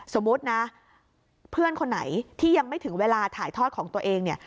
สมมุตินะเพื่อนคนไหนที่ยังไม่ถึงเวลาถ่ายทอดของตัวเองเนี่ย